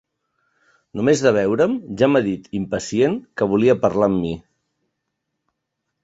Només de veure'm ja m'ha dit, impacient, que volia parlar amb mi.